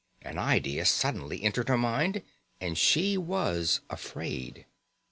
An idea suddenly entered her mind, and she was afraid.